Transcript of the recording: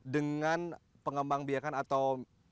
dengan pengembang biakan atau